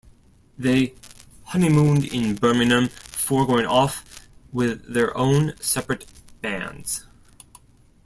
They honeymooned in Birmingham before going off with their own separate bands.